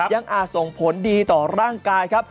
อาจส่งผลดีต่อร่างกายครับ